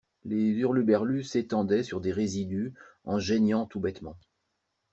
Les hurluberlues s'étendaient sur des résidus en geignant tout bêtement.